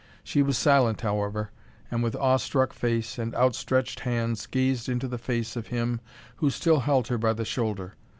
She was silent, however, and with awe struck face and outstretched hands gazed into the face of him who still held her by the shoulder.